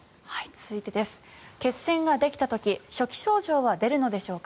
続いて血栓ができた時初期症状は出るのでしょうか。